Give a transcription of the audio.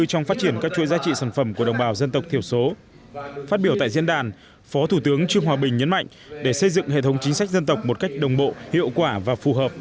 trong phát triển các chuỗi giá trị sản phẩm của đồng bào dân tộc thiểu số